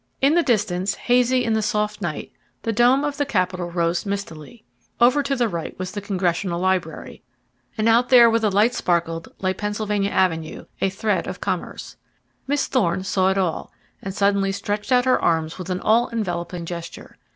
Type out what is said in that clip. In the distance, hazy in the soft night, the dome of the capitol rose mistily; over to the right was the congressional library, and out there where the lights sparkled lay Pennsylvania Avenue, a thread of commerce. Miss Thorne saw it all, and suddenly stretched out her arms with an all enveloping gesture.